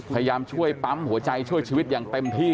พยายามช่วยปั๊มหัวใจช่วยชีวิตอย่างเต็มที่